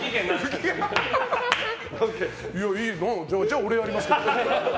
じゃあ俺やりますよって。